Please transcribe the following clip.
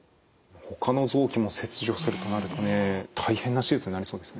ほかの臓器も切除するとなるとね大変な手術になりそうですね。